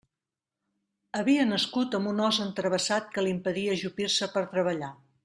Havia nascut amb un os entravessat que li impedia ajupir-se per a treballar.